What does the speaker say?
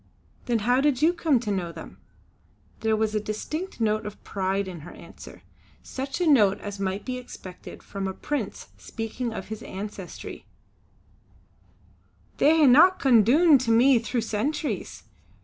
"Then how did you come to know them?" There was a distinct note of pride in her answer. Such a note as might be expected from a prince speaking of his ancestry: "They hae come doon to me through centuries.